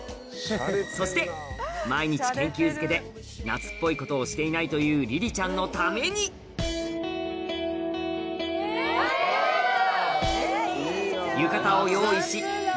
そして毎日研究漬けで夏っぽいことをしていないというリリちゃんのためにスタート！